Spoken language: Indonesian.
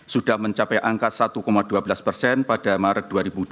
sudah mencapai angka satu dua belas persen pada maret dua ribu dua puluh